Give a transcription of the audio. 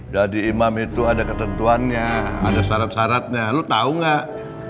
jadi imam itu ada ketentuannya ada syarat syaratnya lo tau gak